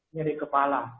ini dari kepala